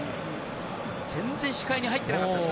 全然視界に入ってなかったです。